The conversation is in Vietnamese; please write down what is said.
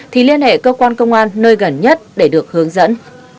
thì liên hệ cơ quan công an nơi gần nhất để được hướng dẫn